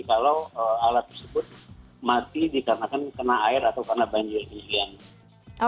kalau alat tersebut mati dikarenakan kena air atau karena banjir ini